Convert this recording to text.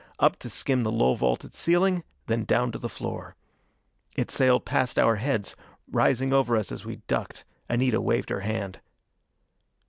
Up to skim the low vaulted ceiling, then down to the floor. It sailed past our heads, rising over us as we ducked. Anita waved her hand.